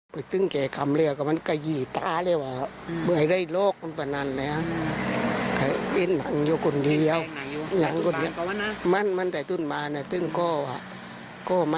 ก็เก่งกระดายพลอยโจรส์ทักบรรยาเป็นอุงกรรม